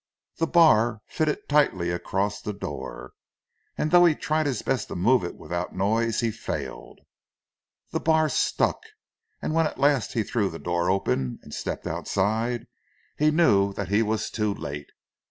The bar fitted tightly across the door, and though he tried his best to move it without noise he failed. The bar stuck, and when at last he threw the door open, and stepped outside he knew that he was too late.